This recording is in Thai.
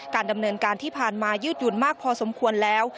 ดำเนินการที่ผ่านมายืดหยุ่นมากพอสมควรแล้ว